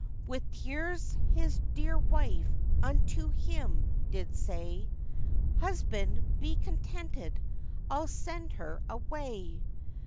With tears his dear wife unto him did say, 'Husband, be contented, I'll send her away.